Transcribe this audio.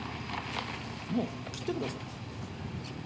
もう切ってください。